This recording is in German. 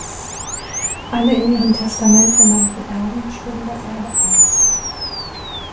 Alle in ihrem Testament genannten Erben schlugen das Erbe aus.